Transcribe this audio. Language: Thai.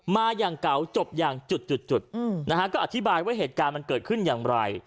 มาอย่างเก่าจบอย่างจุดนะฮะก็อธิบายว่าเหตุการณ์มันเกิดขึ้นอย่างไร